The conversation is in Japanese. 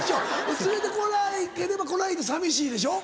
連れて来なければ来ないで寂しいでしょ？